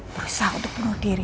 berusaha untuk penuh diri